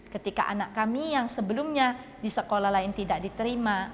ketika anak kami yang sebelumnya di sekolah lain tidak diterima